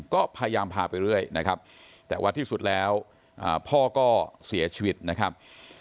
ก็พยายามพาไปเรื่อยนะครับแต่ว่าที่สุดแล้วพ่อก็เสียชีวิตนะครับ